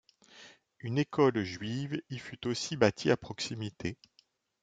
Une école juive y fut aussi bâtie à proximité.